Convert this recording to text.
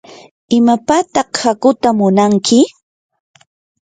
¿imapataq hakuuta munanki?